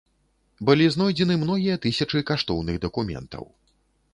Былі знойдзены многія тысячы каштоўных дакументаў.